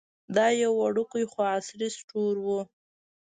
دا یو وړوکی خو عصري سټور و.